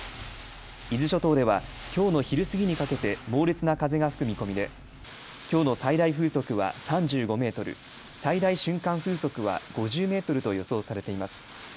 伊豆諸島では、きょうの昼過ぎにかけて猛烈な風が吹く見込みできょうの最大風速は３５メートル、最大瞬間風速は５０メートルと予想されています。